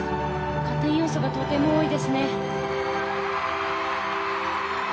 加点要素がとても多いですね。